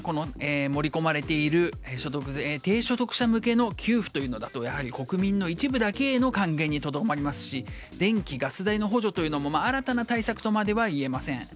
今、盛り込まれている低所得者向けの給付というと国民の一部だけの還元にとどまりますし電気・ガス代の補助というのも新たな対策とまでは言えません。